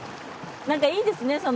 なんかいいですね。